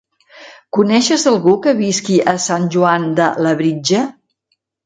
Coneixes algú que visqui a Sant Joan de Labritja?